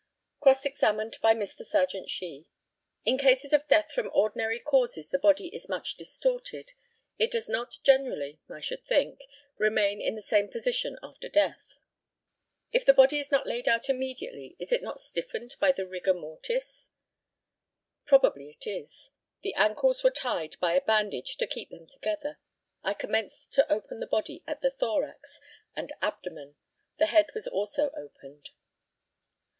Cross examined by Mr. Serjeant SHEE: In cases of death from ordinary causes the body is much distorted. It does not generally, I should think, remain in the same position after death. If the body is not laid out immediately, is it not stiffened by the rigor mortis? Probably it is. The ancles were tied by a bandage to keep them together. I commenced to open the body at the thorax and abdomen. The head was also opened.